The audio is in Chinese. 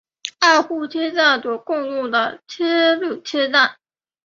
二户车站所共用的铁路车站。